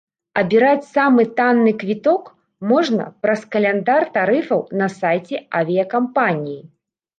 Абіраць самы танны квіток можна праз каляндар тарыфаў на сайце авіякампаніі.